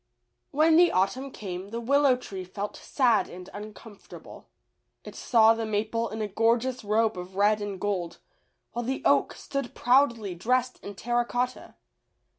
When the autumn came the Willow tree felt sad and uncomfortable. It saw the maple in a gorgeous robe of red and gold, while the oak stood proudly dressed in terra cotta.